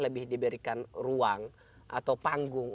lebih diberikan ruang atau panggung